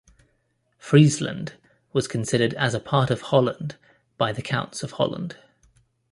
Friesland was considered as a part of Holland by the Counts of Holland.